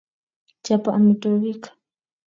chap amitwokik